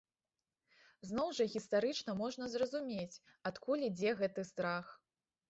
Зноў жа гістарычна можна зразумець, адкуль ідзе гэты страх.